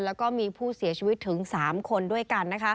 แล้วก็มีผู้เสียชีวิตถึง๓คนด้วยกัน